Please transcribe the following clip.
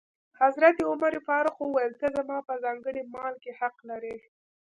حضرت عمر فاروق وویل: ته زما په ځانګړي مال کې حق لرې.